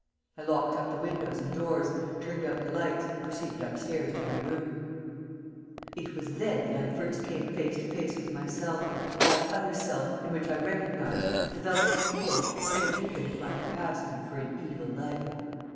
I locked up the windows and doors, turned out the lights, and proceeded up stairs to my room. [Illustration: "FACE TO FACE"] _It was then that I first came face to face with myself that other self, in which I recognized, developed to the full, every bit of my capacity for an evil life.